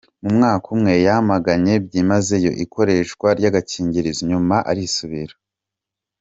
Mu mwaka umwe, yamaganye byimazeyo ikoreshwa ry’agakingiro, nyuma arisubira.